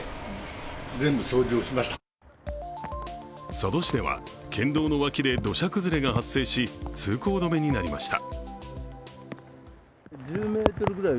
佐渡市では県道の脇で土砂崩れが発生し通行止めになりました。